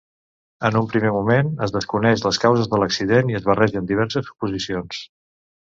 En un primer moment es desconeixen les causes de l'accident i es barregen diverses suposicions.